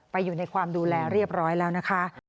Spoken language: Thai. อยู่ในความดูแลเรียบร้อยแล้วนะคะ